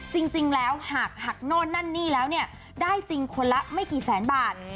จริงแล้วหากหักโน่นนั่นนี่แล้วเนี่ยได้จริงคนละไม่กี่แสนบาท